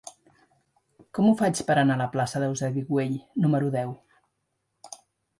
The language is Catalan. Com ho faig per anar a la plaça d'Eusebi Güell número deu?